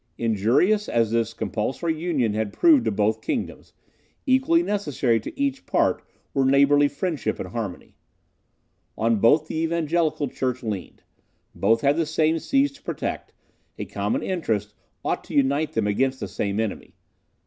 Injurious as this compulsory union had proved to both kingdoms, equally necessary to each apart were neighbourly friendship and harmony. On both the evangelical church leaned; both had the same seas to protect; a common interest ought to unite them against the same enemy.